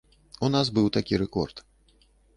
У нас быў такі рэкорд.